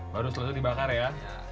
baru selesai dibakar ya